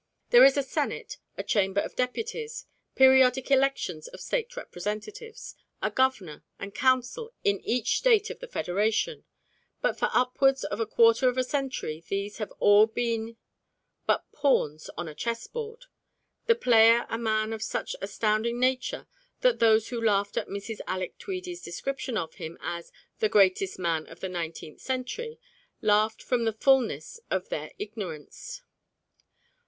There is a Senate, a Chamber of Deputies, periodic elections of State representatives, a Governor and Council in each State of the Federation; but for upwards of a quarter of a century these have all been but pawns on a chessboard the player a man of such astounding nature that those who laughed at Mrs. Alec Tweedie's description of him as "the greatest man of the nineteenth century" laughed from the fullness of their ignorance.